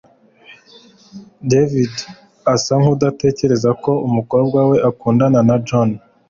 davide asa nkudatekereza ko umukobwa we akundana na john